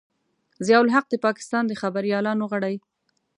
ضیا الحق د پاکستان د خبریالانو غړی.